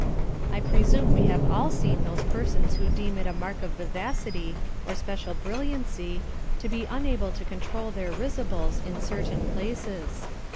I presume we have all seen those persons who deem it a mark of vivacity, or special brilliancy, to be unable to control their risibles in certain places.